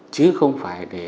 chứ không phải để